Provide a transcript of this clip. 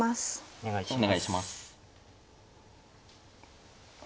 お願いします。